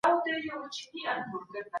دا پروژه الهام بخښونکې ده.